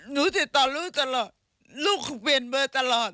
หนูติดต่อลูกตลอดลูกเปลี่ยนเบอร์ตลอด